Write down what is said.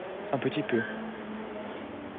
un petit peu.